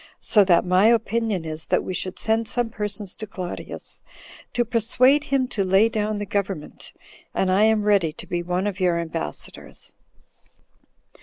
So that my opinion is, that we should send some persons to Claudius, to persuade him to lay down the government; and I am ready to be one of your ambassadors."